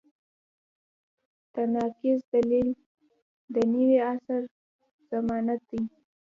تناقض دلیل د نوي عصر الزامات دي.